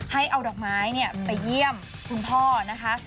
ให้เอาดอกไม้ไปเยี่ยมคุณพ่อนะคะ